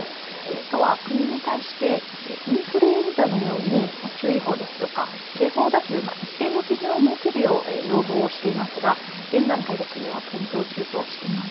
都は国に対してインフルエンザのように注意報ですとか警報を出す一定の基準を設けるよう要望していますが、現段階で国は検討中としています。